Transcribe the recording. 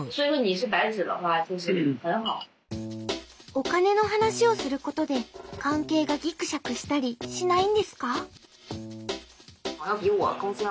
お金の話をすることで関係がギクシャクしたりしないんですか？